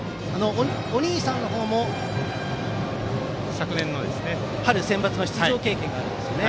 お兄さんの方も春のセンバツの出場経験があるんですね。